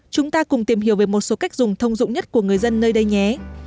chúng ta cùng tìm hiểu về một số cách dùng thông dụng nhất của người dân nơi đây nhé